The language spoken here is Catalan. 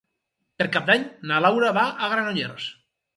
Per Cap d'Any na Laura va a Granollers.